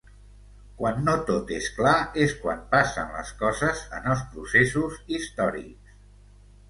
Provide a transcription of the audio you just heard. Quan no tot és clar, és quan passen les coses en els processos històrics.